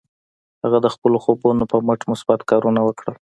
هغه د خپلو خوبونو پر مټ مثبت کارونه وکړل